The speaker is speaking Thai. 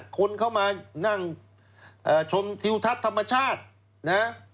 คนเข้ามานั่งชมทิวทัศน์ธรรมชาตินะ